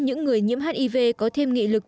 những người nhiễm hiv có thêm nghị lực